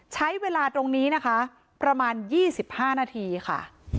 ใช้เวลาตรงนี้นะคะประมาณ๒๕นาทีค่ะ